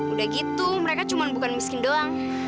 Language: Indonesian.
udah gitu mereka cuma bukan miskin doang